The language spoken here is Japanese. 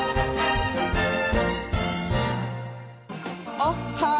おっはー！